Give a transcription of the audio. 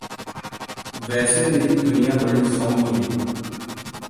ਵੈਸੇ ਵੀ ਦੁਨੀਆ ਬੜੀ ਸੋਹਣੀ ਐਂ